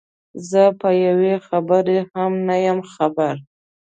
زه په یوې خبرې هم نه یم خبر.